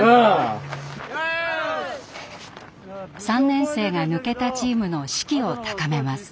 ３年生が抜けたチームの士気を高めます。